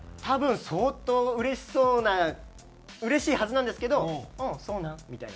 多分相当うれしそうなうれしいはずなんですけど「ああそうなん？」